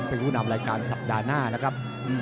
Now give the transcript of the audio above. เป็นผู้นำรายการสัปดาห์หน้านะครับ